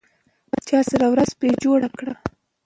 چا سره ورځ پرې جوړه کړه؟